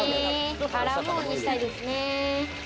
アラーム音にしたいですね。